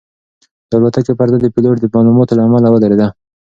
د الوتکې پرده د پیلوټ د معلوماتو له امله ودرېده.